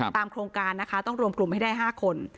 โครงการนะคะต้องรวมกลุ่มให้ได้๕คน